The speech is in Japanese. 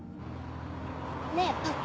ねぇパパ。